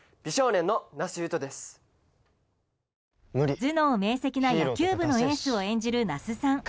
頭脳明晰な野球部のエースを演じる那須さん。